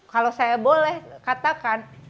kalau saya boleh katakan